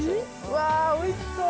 わあおいしそう。